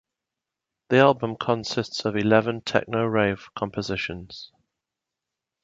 The album consists of eleven techno-rave compositions.